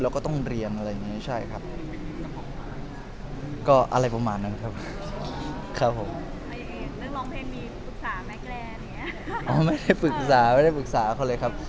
เราก็ต้องเรียนอะไรอย่างนี้ใช่ครับ